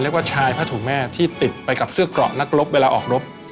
ชายผ้าถุงแม่ที่ติดไปกับเสื้อเกราะนักรบเวลาออกรบ